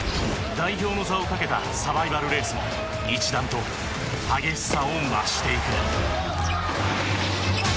代表の座をかけたサバイバルレースも一段と激しさを増していく。